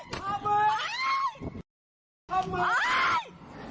ทำมือ